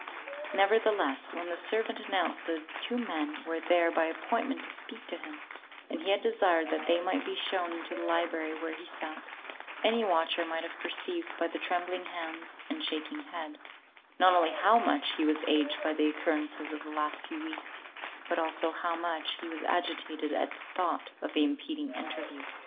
Nevertheless, when the servant announced that two men were there by appointment to speak to him, and he had desired that they might be shown into the library where he sat, any watcher might have perceived by the trembling hands, and shaking head, not only how much he was aged by the occurrences of the last few weeks, but also how much he was agitated at the thought of the impending interview.